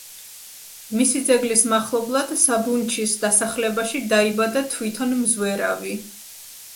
მისი ძეგლის მახლობლად საბუნჩის დასახლებაში დაიბადა თვითონ მზვერავი.